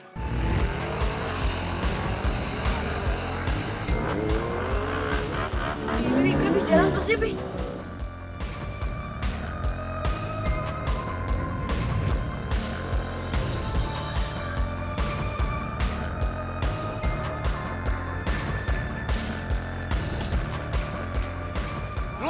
yang gak perlu gue ikut campur